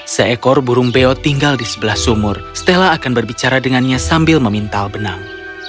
seekor burung beo tinggal di sebelah sumur stella akan berbicara dengannya sambil memintal benang